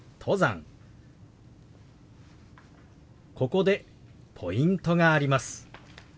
ここでポイントがあります。